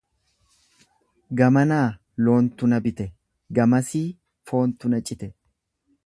Gamanaa loontu na bite gamasii foontu na cite.